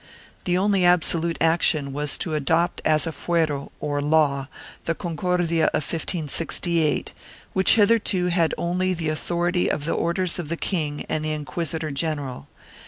The only absolute action taken was to adopt as a fuero or law the Concordia of 1568, which hitherto had only the authority of the orders of the king and inquisitor general.